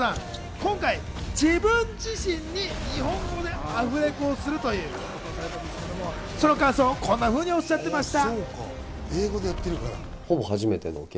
今回、自分自身に日本語でアフレコをするという、その感想をこんなふうにおっしゃっていました。